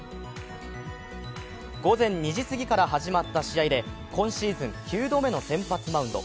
午前２時すぎから始まった試合で今シーズン９度目の先発マウンド。